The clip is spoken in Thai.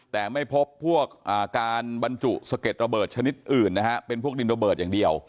แต่ไม่พบพวกการบรรจุสะเก็ดระเบิดชนิดอื่นนะฮะเป็นพวกดินระเบิดอย่างเดียว